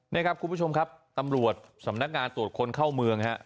นี่ครับคุณผู้ชมครับตำรวจสำนักงานตรวจคนเข้าเมืองฮะ